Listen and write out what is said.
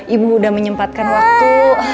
ibu udah menyempatkan waktu